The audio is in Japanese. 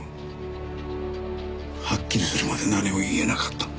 はっきりするまで何も言えなかった。